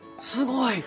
すごい。